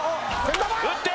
打って！